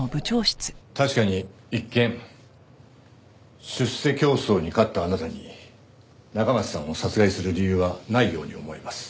確かに一見出世競争に勝ったあなたに中松さんを殺害する理由はないように思えます。